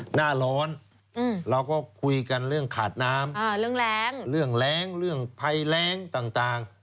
หน้าร้อนเราก็คุยกันเรื่องขาดน้ำเรื่องแรงเรื่องแรงเรื่องภัยแรงต่าง